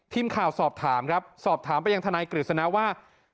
ทีมข่าวสอบถามครับสอบถามไปยังทนายกฤษณะว่า